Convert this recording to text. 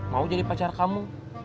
mau jadi pacar kamu